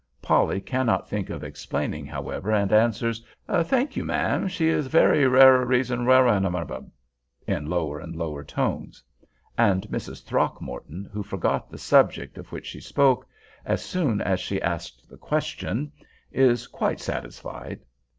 Polly cannot think of explaining, however, and answers: "Thank you, ma'am; she is very rearason wewahwewob," in lower and lower tones. And Mrs. Throckmorton, who forgot the subject of which she spoke, as soon as she asked the question, is quite satisfied.